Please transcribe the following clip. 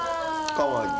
かわいい。